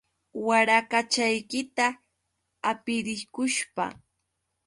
Warakachaykita hapirikushpa.